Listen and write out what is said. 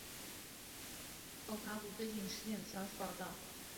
通常指新闻机构发布的最近发生事件的消息报道。